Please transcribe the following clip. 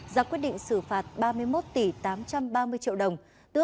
ra quyết định xử phạt ba mươi một tỷ tám trăm ba mươi triệu đồng